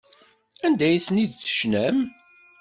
Anda ay ten-id-tecnam?